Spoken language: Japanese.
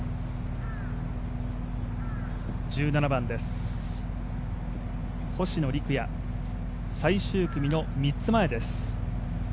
１７番です、星野陸也最終組の３つ前です。